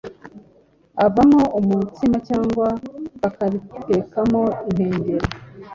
avamo umutsima cyangwa bakabitekamo impengeri.